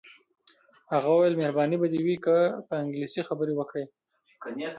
هغه وویل مهرباني به دې وي که په انګلیسي خبرې وکړې.